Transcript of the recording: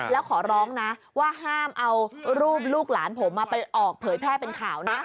แล้วขอร้องนะว่าห้ามเอารูปลูกหลานผมไปออกเผยแพร่เป็นข่าวนะ